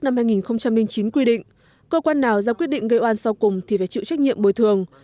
năm hai nghìn chín quy định cơ quan nào ra quyết định gây oan sau cùng thì phải chịu trách nhiệm bồi thường